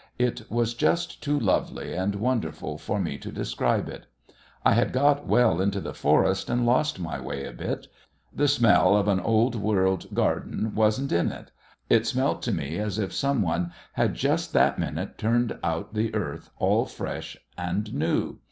It was just too lovely and wonderful for me to describe it. I had got well into the forest and lost my way a bit. The smell of an old world garden wasn't in it. It smelt to me as if some one had just that minute turned out the earth all fresh and new.